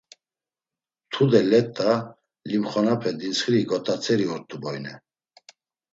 Tude let̆a, limxonape dintsxiri got̆atzeri ort̆u boyne.